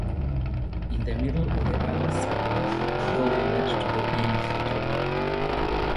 In the middle of the other sidewall, a doorway led to the inner courtyard.